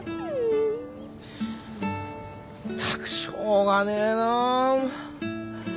ったくしょうがねえなもう。